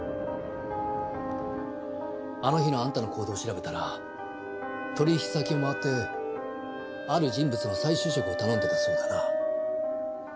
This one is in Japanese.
あの日のあんたの行動を調べたら取引先を回ってある人物の再就職を頼んでいたそうだな。